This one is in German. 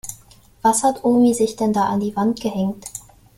Was hat Omi sich denn da an die Wand gehängt?